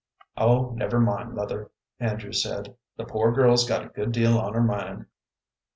"Oh, never mind, mother," Andrew said; "the poor girl's got a good deal on her mind."